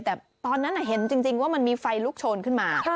แต่ตอนนั้นเห็นจริงว่ามันมีไฟลุกโชนขึ้นมา